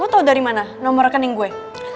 lo tau dari mana nomor rekening gue